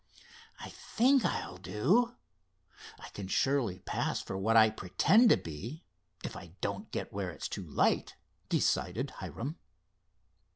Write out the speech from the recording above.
"I think I'll do. I can surely pass for what I pretend to be, if I don't get where it's too light," decided Hiram.